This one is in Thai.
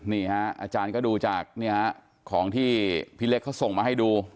นี่ฮะอาจารย์ก็ดูจากของที่พี่เล็กเขาส่งมาให้ดู